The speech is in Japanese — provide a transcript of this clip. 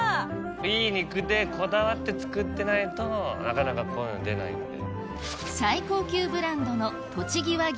いい肉でこだわって作ってないとなかなかこういうの出ないんで。